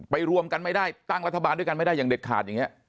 รวมกันไม่ได้ตั้งรัฐบาลด้วยกันไม่ได้อย่างเด็ดขาดอย่างนี้